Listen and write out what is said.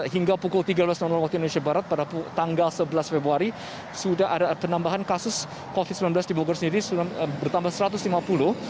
hingga pukul tiga belas waktu indonesia barat pada tanggal sebelas februari sudah ada penambahan kasus covid sembilan belas di bogor sendiri bertambah satu ratus lima puluh